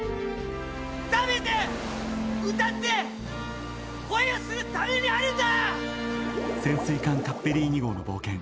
「食べて歌って」「恋をするためにあるんだ！」